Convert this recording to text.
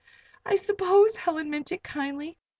"I suppose Helen meant it kindly.